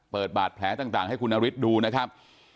เปิดบาดแผลต่างให้คุณนฤทธิ์ดูนะครับ